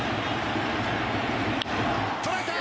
捉えた！